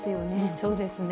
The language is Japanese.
そうですね。